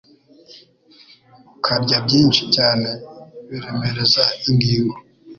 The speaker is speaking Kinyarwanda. ukarya byinshi cyane biremereza ingingo